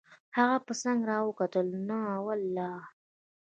هغه په څنګ را وکتل: نه والله.